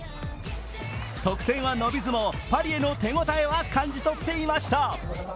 得点は伸びずも、パリへの手応えは感じ取っていました。